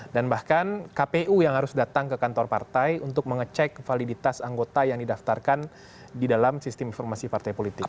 dan bahkan kpu yang harus datang ke kantor partai untuk mengecek validitas anggota yang didaftarkan di dalam sistem informasi partai politik